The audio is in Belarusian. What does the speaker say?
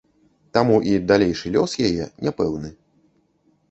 Таму і далейшы лёс яе няпэўны.